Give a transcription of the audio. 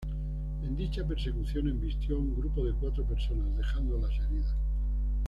En dicha persecución, embistió a un grupo de cuatro personas dejándolas heridas.